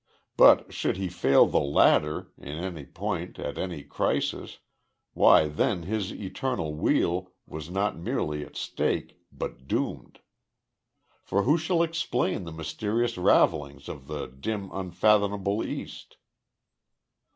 But should he fail the latter, in any point, at any crisis, why then his eternal weal, was not merely at stake but doomed. For who shall explain the mysterious ravellings of the dim unfathomable East?